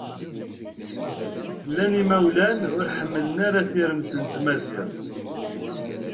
Llan imawlan ur ḥemmlen ara tiremt n tmaziɣt.